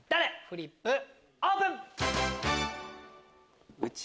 フリップオープン！